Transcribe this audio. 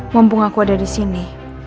mumpung aku ada disini